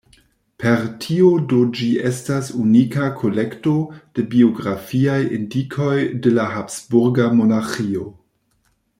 Per tio do ĝi estas unika kolekto de biografiaj indikoj de la habsburga monarĥio.